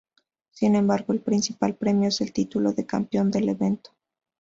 Sin embargo el principal premio es el título de campeón del evento.